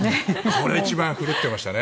これ一番、振るってましたね。